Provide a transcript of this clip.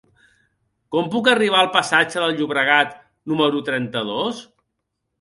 Com puc arribar al passatge del Llobregat número trenta-dos?